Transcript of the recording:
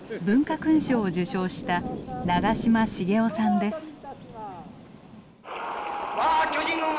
文化勲章を受章した長嶋茂雄さんです。